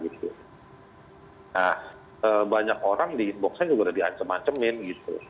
nah banyak orang di boxnya juga udah diancem ancemin gitu